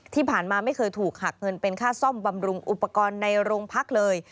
ไม่เคยถูกหักเงินเป็นค่าซ่อมบำรุงอุปกรณ์ในโรงพักเลย